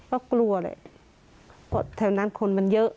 ก็กลัวแหละเพราะแถวนั้นคนมันเยอะ